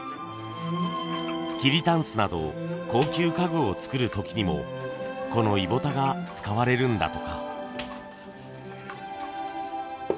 桐たんすなど高級家具を作る時にもこのイボタが使われるんだとか。